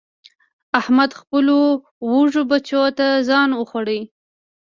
احمد خپلو وږو بچو ته ځان وخوړ.